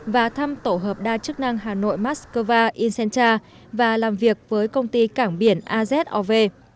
và thăm tổ hợp đa chức năng hà nội moscow incenta và làm việc với công ty cảng biển azov